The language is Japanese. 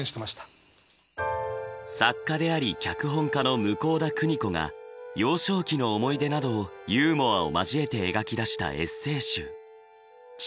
作家であり脚本家の向田邦子が幼少期の思い出などをユーモアを交えて描き出したエッセー集。